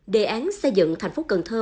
đề án xây dựng thành phố cần thơ